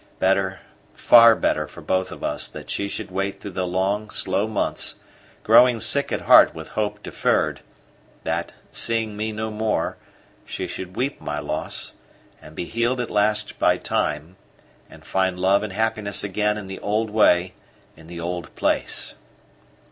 Better, far better for both of us that she should wait through the long, slow months, growing sick at heart with hope deferred; that, seeing me no more, she should weep my loss, and be healed at last by time, and find love and happiness again in the old way, in the old place.